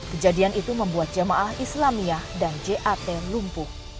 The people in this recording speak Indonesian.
kejadian itu membuat jemaah islamiyah dan jat lumpuh